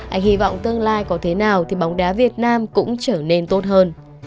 anh hy vọng tương lai có thế nào thì bóng đá việt nam cũng trở nên tốt hơn